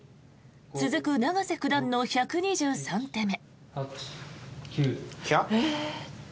続く永瀬九段の１２３手目。